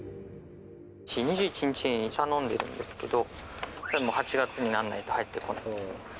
２１日に頼んでるんですけど８月にならないと入らないですね。